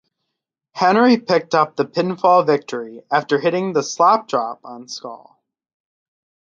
Henry picked up the pinfall victory after hitting the Slop Drop on Skull.